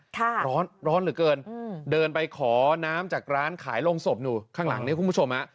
ร้อนร้อนเหลือเกินอืมเดินไปขอน้ำจากร้านขายโรงศพอยู่ข้างหลังเนี่ยคุณผู้ชมฮะ